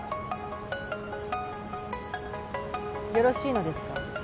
よろしいのですか？